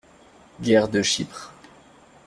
- Guerre de Chypre.